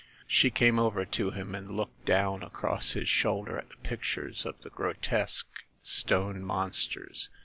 She came over to him and looked down across his shoulder at the pictures of the grotesque stone mon sters.